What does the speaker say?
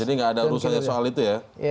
jadi nggak ada urusan soal itu ya